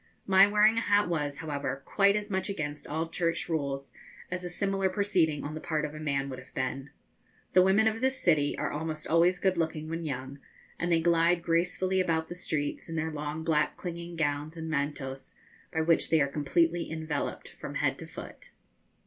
My wearing a hat was, however, quite as much against all church rules as a similar proceeding on the part of a man would have been. The women of this city are almost always good looking when young, and they glide gracefully about the streets in their long black clinging gowns and mantos, by which they are completely enveloped from head to foot.